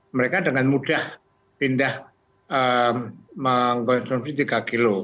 mereka dengan mudah pindah mengkonsumsi tiga kg